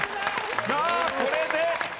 さあこれで。